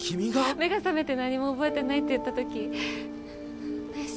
目が覚めて何もおぼえてないって言った時内心